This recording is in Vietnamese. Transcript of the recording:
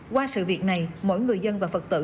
qua sự việc này mỗi người dân và phật tử